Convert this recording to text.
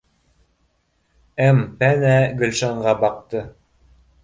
М пәнә Гөлшанға баҡты: